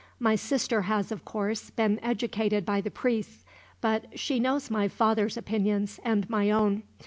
My sister has of course, been educated by the priests; but she knows my father's opinions, and my own.